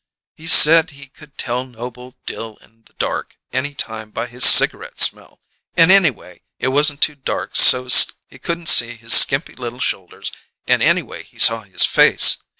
He said he could tell Noble Dill in the dark any time by his cigarette smell, and, anyway, it wasn't too dark so's he couldn't see his skimpy little shoulders, and anyway he saw his face.